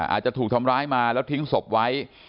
อาจจะถูกทำร้ายมาแล้วทิ้งศพไว้